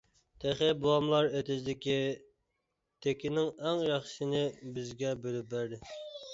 تېخى بوۋاملار ئېتىزدىكى تېكىنىڭ ئەڭ ياخشىسىنى بىزگە بۆلۈپ بەردى.